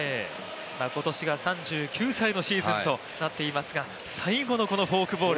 今年が３９歳のシーズンとなっていますが、最後のこのフォークボール。